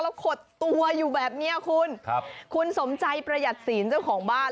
แล้วขดตัวอยู่แบบเนี้ยคุณครับคุณสมใจประหยัดศีลเจ้าของบ้าน